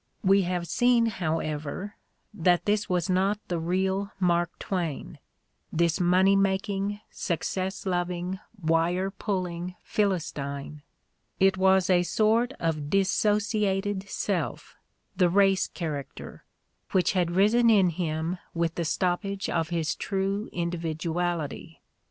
"We have seen, however, that this was not the real Mark Twain, this money making, success loving, wire pulling Philistine; it was a sort of dis sociated self, the race character, which had risen in him with the stoppage of his true individuality.